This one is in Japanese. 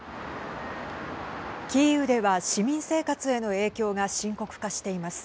キーウでは市民生活への影響が深刻化しています。